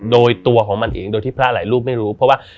โดยตัวของมันเองโดยที่พระหลายรูปไม่รู้เพราะว่า